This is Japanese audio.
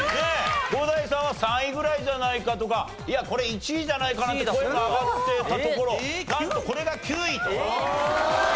伍代さんは３位ぐらいじゃないかとかいやこれ１位じゃないかなって声が上がってたところなんとこれが９位と。